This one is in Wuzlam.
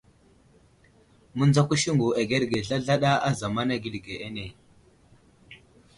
Miŋdzako siŋgu agerge zlazlaɗa a zamana geli ge ane.